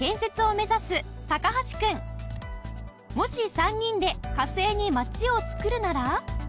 もし３人で火星に町をつくるなら？